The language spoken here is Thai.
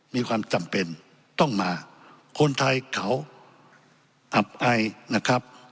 มีความจำเป็นต้องมาคนไทยเขาอับไอนะครับ